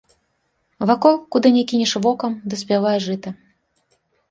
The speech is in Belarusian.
Вакол, куды ні кінеш вокам, даспявае жыта.